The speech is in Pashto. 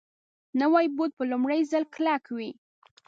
نوی بوټ په لومړي ځل کلک وي